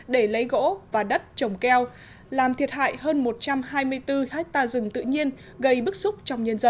để lấy gỗ và đất trồng keo làm thiệt hại hơn một trăm hai mươi bốn hectare rừng tự nhiên gây bức xúc trong nhân dân